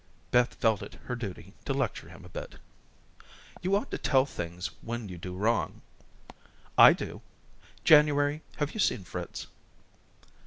Beth felt it her duty to lecture him a bit. "You ought to tell things when you do wrong. I do. January, have you seen Fritz?"